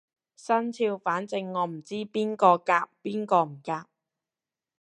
生肖反正我唔知邊個夾邊個唔夾